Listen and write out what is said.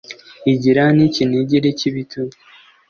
Igira n' icyinigiri cy' ibitugu,